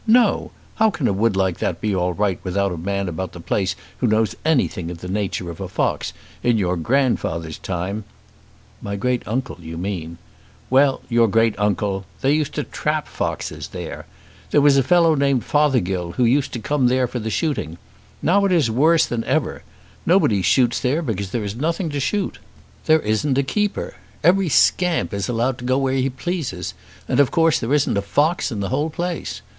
No! How can a wood like that be all right without a man about the place who knows anything of the nature of a fox? In your grandfather's time " "My great uncle you mean." "Well; your great uncle! they used to trap the foxes there. There was a fellow named Fothergill who used to come there for shooting. Now it is worse than ever. Nobody shoots there because there is nothing to shoot. There isn't a keeper. Every scamp is allowed to go where he pleases, and of course there isn't a fox in the whole place.